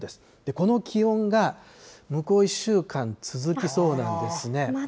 この気温が向こう１週間続きそうなんですね。